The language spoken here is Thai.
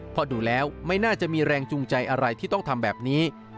เพราะดูแล้วไม่น่าจะมีแรงจูงใจอะไรที่ต้องทำแบบนี้